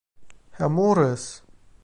Herr Morris!